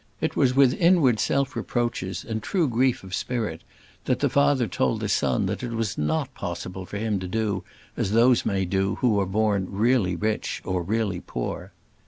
It was with inward self reproaches, and true grief of spirit, that the father told the son that it was not possible for him to do as those may do who are born really rich, or really poor.